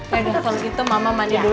pada kalau gitu mama mandi dulu